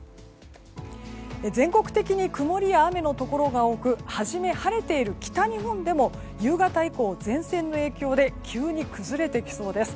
全国的に曇りや雨のところが多く初め晴れている北日本でも夕方以降、前線の影響で急に崩れてきそうです。